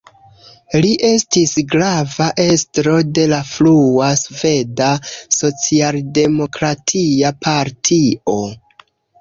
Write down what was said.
Li estis grava estro de la frua Sveda socialdemokratia partio.